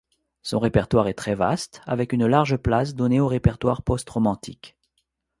Son répertoire est très vaste, avec une large place donnée au répertoire postromantique.